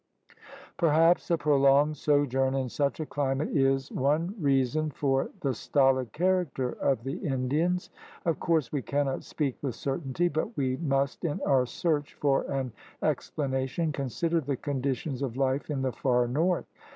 Perhaps a prolonged sojourn in such a climate is one reason for the stolid character of the Indians, Of course we cannot speak with certainty, but we must, in our search for an explanation, consider the conditions of life in the far north.